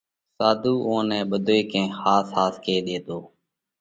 ساڌُو اُوئون نئہ ٻڌوئي ڪئين ۿاس ۿاس ڪي ۮيتو۔